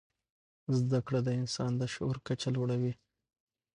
زده کړه د انسان د شعور کچه لوړوي.